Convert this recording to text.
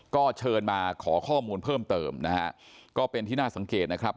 ก็เชิญมาขอข้อมูลเพิ่มเติมนะฮะก็เป็นที่น่าสังเกตนะครับ